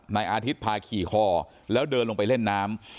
นายอาทิตย์พาขี่คอแล้วเดินลงไปเล่นน้ำ